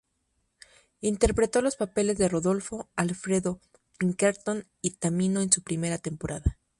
Interpretó los papeles de Rodolfo, Alfredo, Pinkerton y Tamino en su primera temporada.